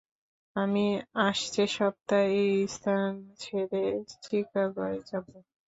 আমি আসছে সপ্তায় এ স্থান ছেড়ে চিকাগোয় যাব।